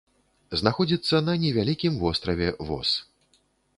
Знаходзіцца на невялікім востраве воз.